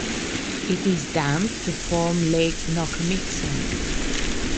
It is dammed to form Lake Nockamixon.